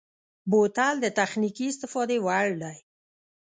بوتل د تخنیکي استفادې وړ دی.